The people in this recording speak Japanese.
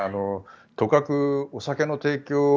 とかく、お酒の提供